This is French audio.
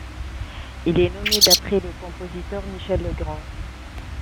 Il est nommé d'après le compositeur Michel Legrand.